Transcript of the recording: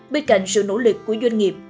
bên cạnh sự nỗ lực của doanh nghiệp